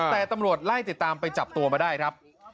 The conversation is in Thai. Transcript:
แต่ตำรวจไล่ติดตามไปจับตัวมาได้ครับ